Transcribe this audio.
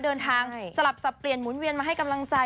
สลับสับเปลี่ยนหมุนเวียนมาให้กำลังใจ